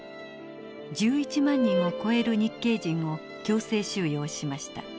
１１万人を超える日系人を強制収容しました。